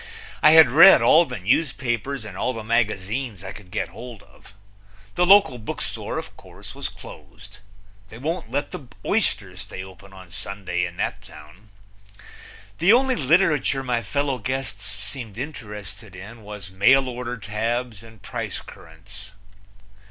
I had read all the newspapers and all the magazines I could get hold of. The local bookstore, of course, was closed. They won't let the oysters stay open on Sunday in that town. The only literature my fellow guests seemed interested in was mailorder tabs and price currents.